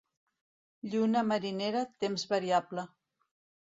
Lluna marinera, temps variable.